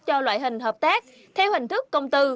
cho loại hình hợp tác theo hình thức công tư